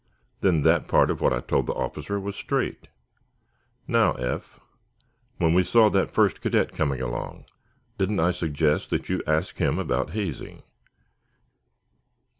"Then that part of what I told the officer was straight. Now, Eph, when we saw that first cadet come along, didn't I suggest to you to ask him about hazing?"